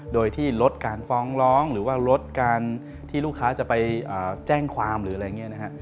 โดยที่ลดการฟ้องร้องหรือว่าลดการที่ลูกค้าจะไปแจ้งความหรืออะไรอย่างนี้นะฮะ